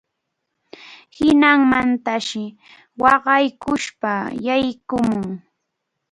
Hinamantaqsi waqaykuspa yaykumun.